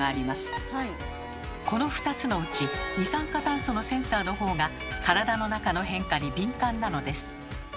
この２つのうち二酸化炭素のセンサーのほうが体の中の変化に敏感なのです。